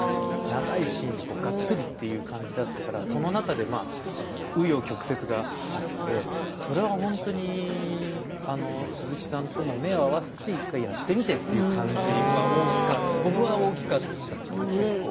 長いシーンでがっつりという感じだったからその中で、う余曲折があってそれは本当に鈴木さんとも目を合わせて１回やってみてって言う感じが僕は大きかったかな、結構。